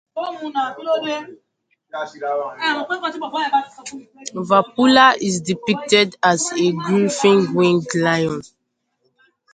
Vapula is depicted as a griffin-winged lion.